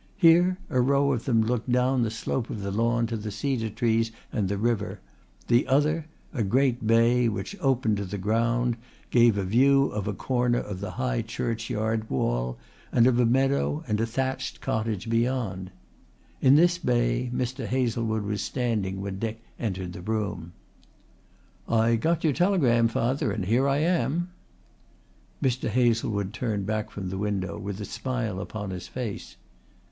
Here a row of them looked down the slope of the lawn to the cedar trees and the river, the other, a great bay which opened to the ground, gave a view of a corner of the high churchyard wall and of a meadow and a thatched cottage beyond. In this bay Mr. Hazlewood was standing when Dick entered the room. "I got your telegram, father, and here I am." Mr. Hazlewood turned back from the window with a smile upon his face.